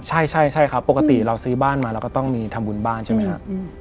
ใช่ใช่ครับปกติเราซื้อบ้านมาเราก็ต้องมีทำบุญบ้านใช่ไหมครับ